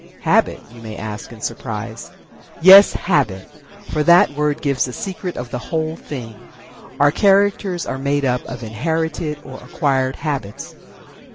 "Habit?" you may ask in surprise. Yes, Habit! For that word gives the secret of the whole thing. Our characters are made up of inherited or acquired habits.